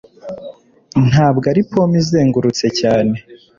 Ntabwo ari pome izengurutse cyane